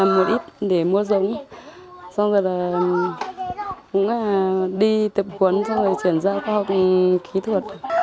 một ít để mua giống xong rồi là đi tập huấn xong rồi chuyển ra khoa học kỹ thuật